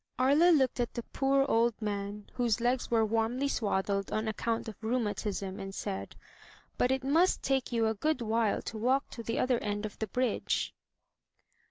*' Aria looked at the poor old man, whose legs were warmly swaddled on account of rheumatism, and said: "But it must take you a good while to walk to the other end of the bridge.